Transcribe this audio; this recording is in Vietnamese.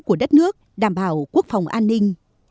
của đất nước đảm bảo quốc phòng an ninh